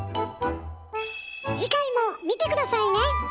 次回も見て下さいね！